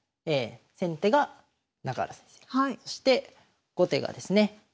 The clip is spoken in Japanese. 先手が中原先生そして後手がですね